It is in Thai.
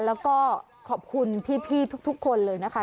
แล้วก็ขอบคุณพี่ทุกคนเลยนะคะ